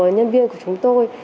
nhân viên của chúng tôi